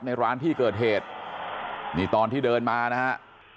ในร้านที่เกิดเหตุนี่ตอนที่เดินมานะฮะ